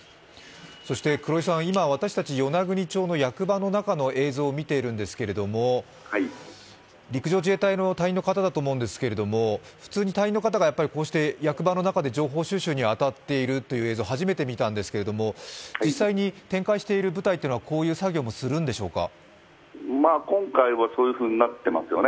今、私たち与那国町の役場の中の映像を見ているんですけど陸上自衛隊の隊員の方だと思うんですけれども、普通に隊員の方が役場の中で情報収集に当たっている映像、初めて見たんですけれども実際に展開している部隊というのは、こういう作業もするんでしょうか？